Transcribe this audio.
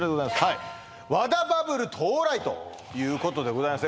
はい和田バブル到来ということでございますね